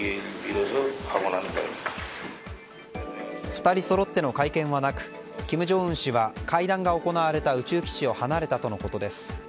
２人そろっての会見はなく金正恩氏は会談が行われた宇宙基地を離れたということです。